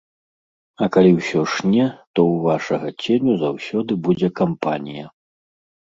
А калі ўсё ж не, то ў вашага ценю заўсёды будзе кампанія.